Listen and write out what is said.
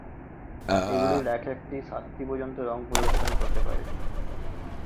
এগুলির এক-একটি সাতটি পর্যন্ত রং প্রদর্শন করতে পারে।